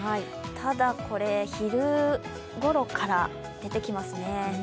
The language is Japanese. ただ、昼ごろから出てきますね。